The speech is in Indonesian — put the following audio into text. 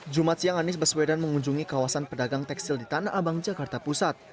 jumat siang anies baswedan mengunjungi kawasan pedagang tekstil di tanah abang jakarta pusat